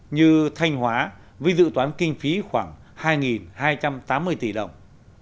như thanh hóa với dự toán kinh phí khoảng hai hai trăm tám mươi tỷ đồng